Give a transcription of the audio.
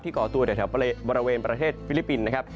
ที่ก่อตัวออกแถวบริเวณประเทศฟิลิปปินป์